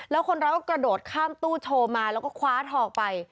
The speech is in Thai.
แล้วคนร้ายก็กระโดดข้ามตู้โชว์มาแล้วก็คว้าทองไป